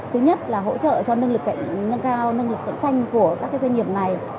thứ nhất là hỗ trợ cho nâng cao nâng lực cận tranh của các doanh nghiệp này